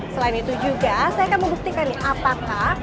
selain itu juga saya akan membuktikan nih apakah